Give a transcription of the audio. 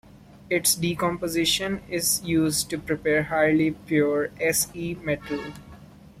Its decomposition is used to prepare highly pure Se metal.